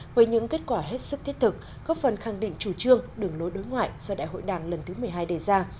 với những kết quả hết sức thiết thực góp phần khẳng định chủ trương đường lối đối ngoại do đại hội đảng lần thứ một mươi hai đề ra